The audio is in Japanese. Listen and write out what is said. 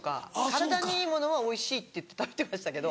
体にいいものはおいしいっていって食べてましたけど。